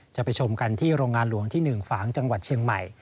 จะไปชมกันที่โรงงานหลวงที่๑ฝางจังหวัดเชียงใหม่